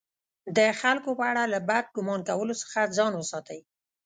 د خلکو په اړه له بد ګمان کولو څخه ځان وساتئ!